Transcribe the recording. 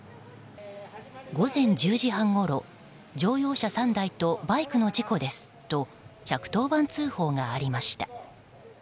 午前１０時半ごろ乗用車３台とバイクの事故ですと１１０番通報がありました。